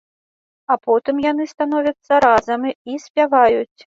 А потым яны становяцца разам і спяваюць.